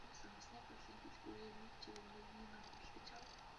Тиймээс онгоцны буудлын дэлгүүрээс нэг жигнэмэг нэг ном худалдаж авав.